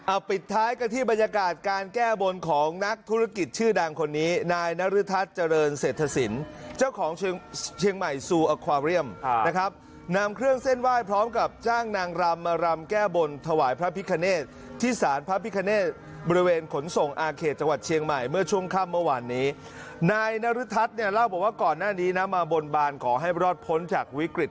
อ่ะปิดท้ายก็ที่บรรยากาศการแก้บนของนักธุรกิจชื่อดังคนนี้นายนรฤทัศน์เจริญเศรษฐศิลป์เจ้าของเชียงใหม่ซูอควาเรียมนะครับนำเครื่องเส้นไหว้พร้อมกับจ้างนางรำมารำแก้บนถวายพระพิคเนธที่สารพระพิคเนธบริเวณขนส่งอาเขตจังหวัดเชียงใหม่เมื่อช่วงค่ำเมื่อวานนี้นายนร